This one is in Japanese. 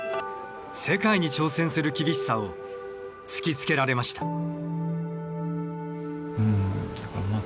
世界に挑戦する厳しさを突きつけられました。